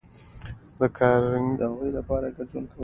د کارنګي فطرت پر قهر بدل شو او د کسات په لټه کې شو.